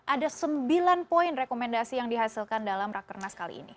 ada sembilan poin rekomendasi yang dihasilkan dalam rakernas kali ini